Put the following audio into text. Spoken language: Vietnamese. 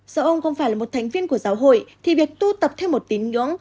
sở ông không phải là một thành viên của giáo hội thì việc tu tập theo một tín ngưỡng